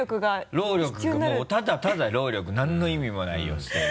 労力がもうただただ労力何の意味もないよ捨てる。